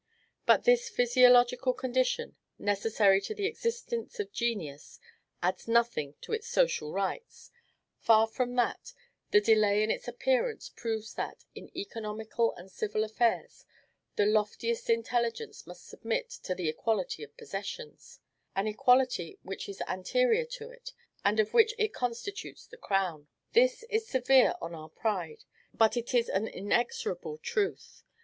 But this physiological condition, necessary to the existence of genius, adds nothing to its social rights: far from that, the delay in its appearance proves that, in economical and civil affairs, the loftiest intelligence must submit to the equality of possessions; an equality which is anterior to it, and of which it constitutes the crown. This is severe on our pride, but it is an inexorable truth.